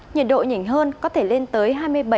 nhiệt độ nhỉnh hơn có thể lên tới